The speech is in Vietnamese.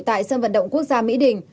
tại sân vận động quốc gia mỹ đình